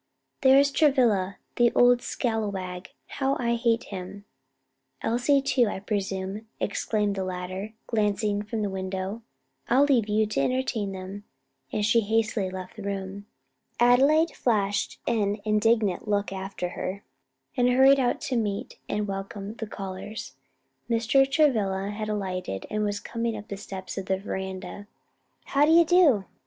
"There's Travilla, the old scalawag: how I hate him! Elsie too, I presume," exclaimed the latter, glancing from the window; "I'll leave you to entertain them," and she hastily left the room. Adelaide flashed an indignant look after her, and hurried out to meet and welcome the callers. Mr. Travilla had alighted and was coming up the steps of the veranda. "How d'ye do.